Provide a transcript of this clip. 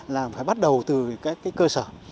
là phải bắt đầu từ cái cơ sở